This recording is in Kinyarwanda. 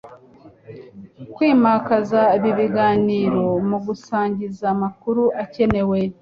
kwimakaza ibi biganiro mu gusangira amakuru akenewe